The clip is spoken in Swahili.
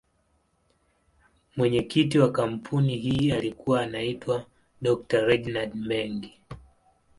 Mwenyekiti wa kampuni hii alikuwa anaitwa Dr.Reginald Mengi.